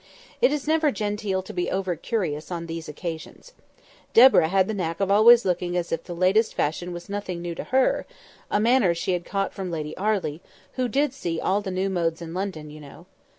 It is never genteel to be over curious on these occasions. Deborah had the knack of always looking as if the latest fashion was nothing new to her; a manner she had caught from Lady Arley, who did see all the new modes in London, you know.